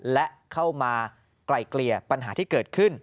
และเข้ามาไกลเกลี่ยปัญหาที่เกิดขึ้น